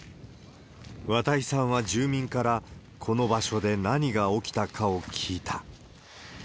綿井さんは住民からこの場所で何が起きたかを聞いた。